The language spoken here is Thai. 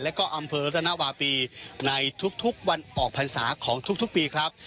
แล้วก็อำเภอรัตนวาปีในทุกวันออกพรรษาของทุกปีครับ